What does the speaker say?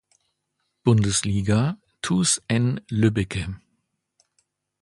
Bundesliga: TuS N-Lübbecke.